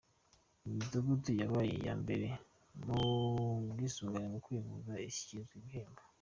Imidugudu yabaye iya mbere mu bwisungane mu kwivuza ishyikirizwa ibihembo.